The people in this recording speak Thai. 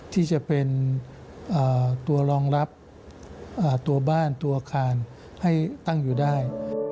ที่จะเป็นตัวรองรับตัวบ้านตัวอาคารให้ตั้งอยู่ได้